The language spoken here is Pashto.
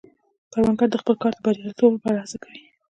کروندګر د خپل کار د بریالیتوب لپاره هڅه کوي